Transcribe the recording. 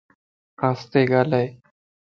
آستي ڳالائي